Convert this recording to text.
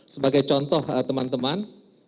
sebagai contoh teman teman